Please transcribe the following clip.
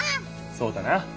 そうだな！